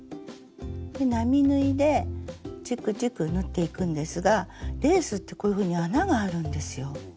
並縫いでチクチク縫っていくんですがレースってこういうふうに穴があるんですよ。